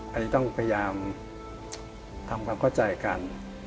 อันนี้ต้องพยายามทำความเข้าใจกัน